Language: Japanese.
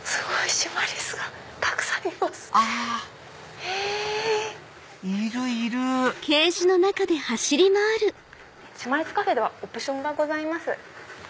シマリスカフェではオプションがございます。